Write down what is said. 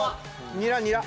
ニラニラ。